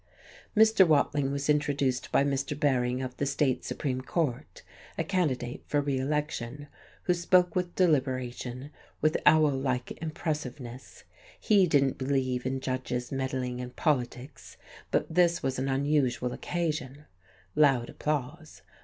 Mr. Watling was introduced by Mr. Bering of the State Supreme Court (a candidate for re election), who spoke with deliberation, with owl like impressiveness. He didn't believe in judges meddling in politics, but this was an unusual occasion. (Loud applause.)